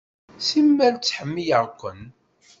Simmal ttḥemmileɣ-ken.